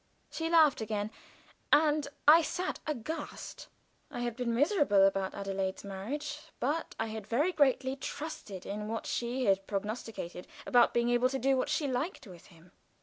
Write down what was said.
She laughed again, and I sat aghast. I had been miserable about Adelaide's marriage, but I had very greatly trusted in what she had prognosticated about being able to do what she liked with him.